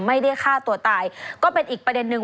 ไม่ได้ฆ่าตัวตายก็เป็นอีกประเด็นนึง